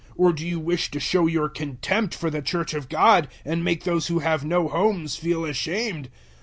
Or do you wish to show your contempt for the Church of God and make those who have no homes feel ashamed?